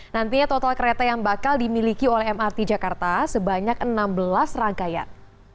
nantinya total kereta yang bakal dimiliki oleh mrt jakarta sebanyak enam belas rangkaian